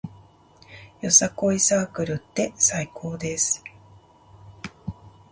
よさこいサークルって最高です